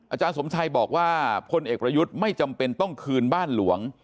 อาจารย์สมชัยบอกว่าพลเอกประยุทธ์ไม่จำเป็นต้องคืนบ้านหลวง